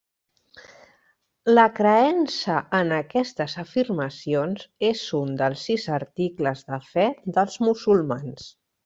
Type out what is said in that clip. La creença en aquestes afirmacions és un dels sis articles de fe dels musulmans.